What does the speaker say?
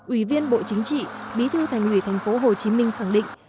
ủy viên bộ chính trị bí thư thành ủy tp hcm khẳng định